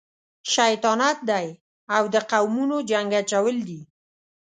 شیطانت دی او د قومونو جنګ اچول دي.